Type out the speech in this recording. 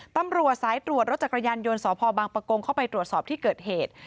ตำรวจสายตรวจรถจักรยานยนต์สพบังปะกงเข้าไปตรวจสอบที่เกิดเหตุ